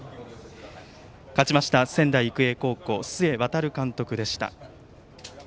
勝ちました仙台育英須江航監督でした。